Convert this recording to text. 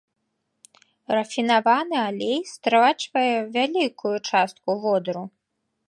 Рафінаваны алей страчвае вялікую частку водару.